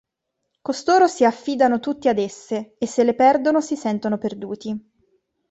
Costoro si affidano tutti ad esse, e se le perdono si sentono perduti.